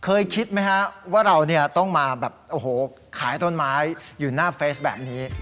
คิดไหมฮะว่าเราต้องมาแบบโอ้โหขายต้นไม้อยู่หน้าเฟซแบบนี้